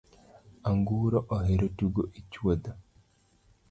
Anguro ohero tugo e chuodho .